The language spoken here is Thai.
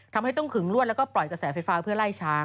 ทำให้ต้องขึงลวดแล้วก็ปล่อยกระแสไฟฟ้าเพื่อไล่ช้าง